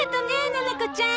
ななこちゃん。